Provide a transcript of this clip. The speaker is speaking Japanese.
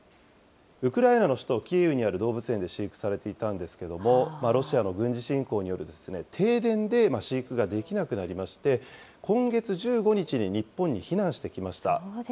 ウクライナの首都キーウにある動物園で飼育されていたんですけれども、ロシアの軍事侵攻による停電で飼育ができなくなりまして、今月１５日に日本に避難してきました。